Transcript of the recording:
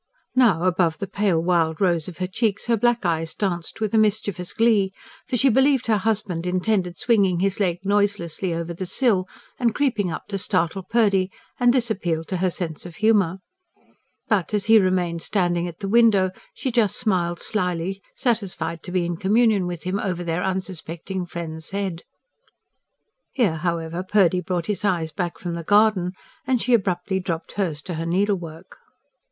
Now, above the pale wild rose of her cheeks her black eyes danced with a mischievous glee; for she believed her husband intended swinging his leg noiselessly over the sill and creeping up to startle Purdy and this appealed to her sense of humour. But, as he remained standing at the window, she just smiled slyly, satisfied to be in communion with him over their unsuspecting friend's head. Here, however, Purdy brought his eyes back from the garden, and she abruptly dropped hers to her needlework.